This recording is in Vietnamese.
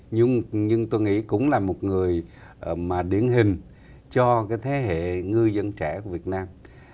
nhưng tôi nghĩ cũng là một người mà điển hình cho cái thế hệ ngư dân trẻ của việt nam